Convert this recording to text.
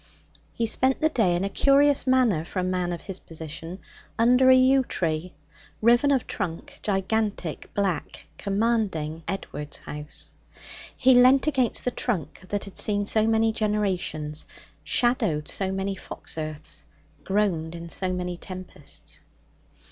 He spent the day in a curious manner for a man of his position, under a yew tree, riven of trunk, gigantic, black, commanding Edward's house. He leant against the trunk that had seen so many generations, shadowed so many fox earths, groaned in so many tempests.